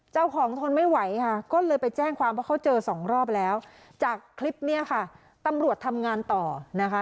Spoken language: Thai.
ทนไม่ไหวค่ะก็เลยไปแจ้งความว่าเขาเจอสองรอบแล้วจากคลิปเนี่ยค่ะตำรวจทำงานต่อนะคะ